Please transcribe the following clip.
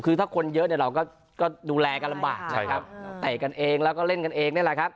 คือถ้าคนเยอะเราก็ดูแลกันลำบากแต่กันเองแล้วก็เล่นกันเอง